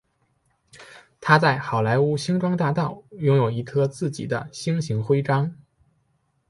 他在好莱坞星光大道拥有一颗自己的星形徽章。